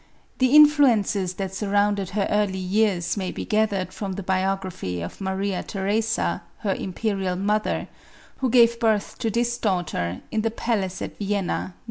The influences that sur rounded her early years, may be gathered from the biography of Maria Theresa, her imperial mother, who gave birth to this daughter in the palace at Vienna, Nov.